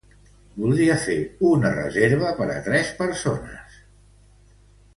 Voldria fer una reserva per a tres persones al Bulli.